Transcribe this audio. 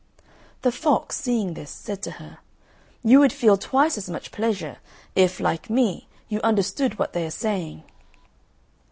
The fox, seeing this, said to her, "You would feel twice as much pleasure if, like me, you understood what they are saying."